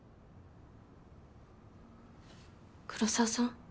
黒澤さん？